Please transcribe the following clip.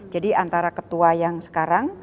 jadi antara ketua yang sekarang